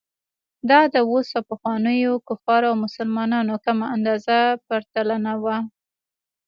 دا د اوس او پخوانیو کفارو او مسلمانانو کمه اندازه پرتلنه وه.